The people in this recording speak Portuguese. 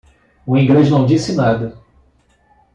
O inglês não disse nada.